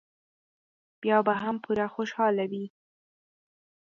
بیا به هم پوره خوشاله وي.